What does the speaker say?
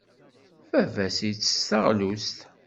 Baba-s ittess taɣlust?